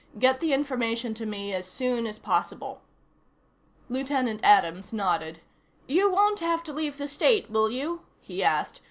Get the information to me as soon as possible." Lieutenant Adams nodded. "You won't have to leave the state, will you?" he asked.